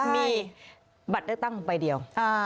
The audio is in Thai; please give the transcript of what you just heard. มีบัตรเลือกตั้งใบเดียว